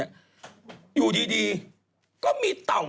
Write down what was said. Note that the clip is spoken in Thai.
อยู่ดีก็มีเต่า